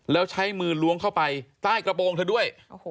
แล้วใช้มือล้วงเข้าไปใต้กระโปรงเธอด้วย